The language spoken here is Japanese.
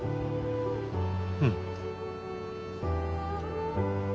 うん。